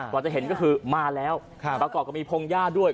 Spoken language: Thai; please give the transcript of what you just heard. กว่าจะเห็นก็คือมาแล้วประกอบกับมีพงหญ้าด้วย